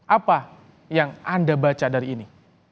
apa yang anda baca dari ini